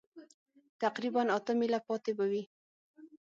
تقریباً اته مېله پاتې به وي.